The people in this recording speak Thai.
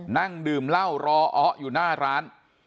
นั่งดื่มเหล้ารออ๋ออยู่หน้าร้าน